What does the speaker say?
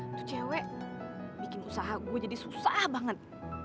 aku cewek bikin usaha gue jadi susah banget